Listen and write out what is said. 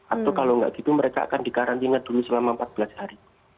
atau kalau nggak gitu mereka akan dikarantina dulu selama empat belas hari